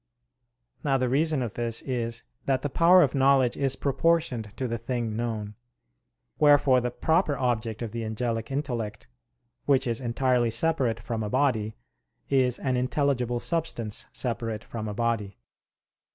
Now the reason of this is that the power of knowledge is proportioned to the thing known. Wherefore the proper object of the angelic intellect, which is entirely separate from a body, is an intelligible substance separate from a body.